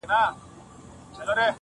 نه چاره یې په دارو درمل کېدله،